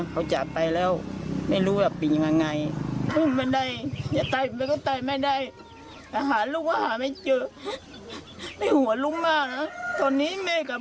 เขาจากไปแล้วไม่รู้ว่าเป็นยังไง